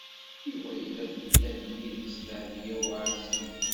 Yuba tella tedda-d yid-s Dehbiya u Ɛisiw.